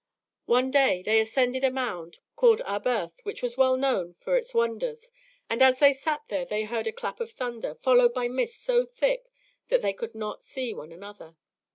One day they ascended a mound called Arberth which was well known for its wonders, and as they sat there they heard a clap of thunder, followed by mist so thick that they could not see one another.